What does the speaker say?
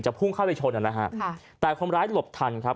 พุ่งเข้าไปชนอ่ะนะฮะค่ะแต่คนร้ายหลบทันครับ